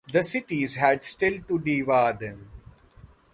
The cities had still to devour them.